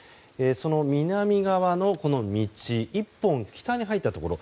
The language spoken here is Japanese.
その南側の道を１本北に入ったところ。